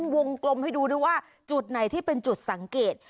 วงกลมให้ดูด้วยว่าจุดไหนที่เป็นจุดสังเกต